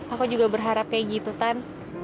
aku juga berharap kayak gitu kan